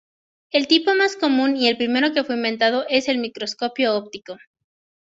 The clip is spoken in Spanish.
El tipo más común y el primero que fue inventado es el microscopio óptico.